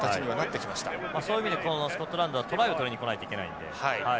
そういう意味でスコットランドはトライを取りに来ないといけないので。